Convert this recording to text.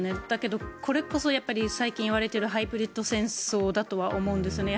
だけどこれこそ最近言われているハイブリッド戦争だとは思うんです。